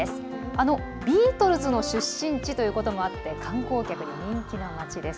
あのビートルズの出身地ということもあって観光客に人気の町です。